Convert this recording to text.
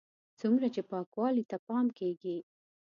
څومره چې پاکوالي ته پام کېږي.